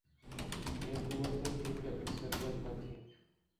یہ قوتیں چونکہ اکثریت میں تھیں۔